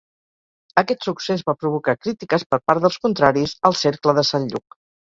Aquest succés va provocar crítiques per part dels contraris al Cercle de Sant Lluc.